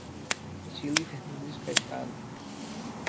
Atiele Fernandes Caetano